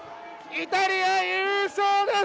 イタリア優勝です！